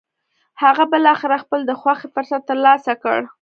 هغه بالاخره خپل د خوښې فرصت تر لاسه کړ.